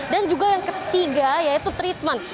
dan juga yang ketiga yaitu treatment